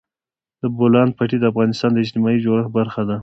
د بولان پټي د افغانستان د اجتماعي جوړښت برخه ده.